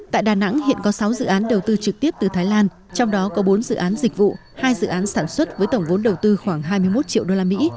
tại đà nẵng hiện có sáu dự án đầu tư trực tiếp từ thái lan trong đó có bốn dự án dịch vụ hai dự án sản xuất với tổng vốn đầu tư khoảng hai mươi một triệu usd